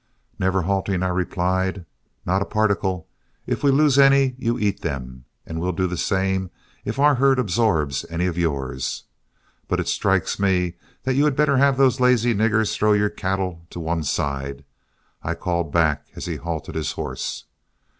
Never halting, I replied, "Not a particle; if we lose any, you eat them, and we'll do the same if our herd absorbs any of yours. But it strikes me that you had better have those lazy niggers throw your cattle to one side," I called back, as he halted his horse.